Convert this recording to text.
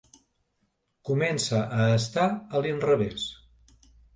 Comença a estar a l'inrevés.